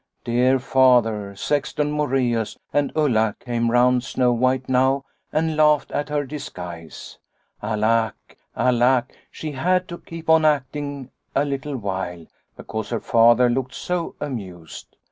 " Dear Father, Sexton Moreus, and Ulla came round Snow White now and laughed at her dis guise. Alack, alack ! She had to keep on acting a little while, because her Father looked so amused.